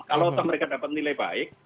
kalau toh mereka dapat nilai baik